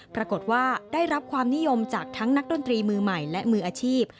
ปรากฏว่าได้รับความนิยมจากทั้งนักดนตรีมือใหม่และมืออาชีพ